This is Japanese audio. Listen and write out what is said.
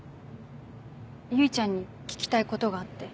唯ちゃんに聞きたいことがあって。